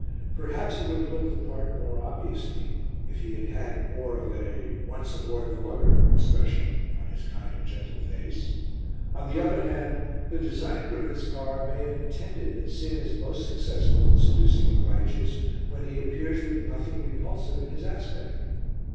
Perhaps he would have looked the part more obviously if he had had more of a once aboard the lugger expression on his kind and gentle face; on the other hand, the designer of this car may have intended that Sin is most successful in seducing the righteous when he appears with nothing repulsive in his aspect.